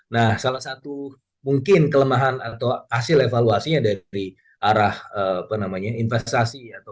nah salah satu mungkin kelemahan atau hasil evaluasinya dari arah investasi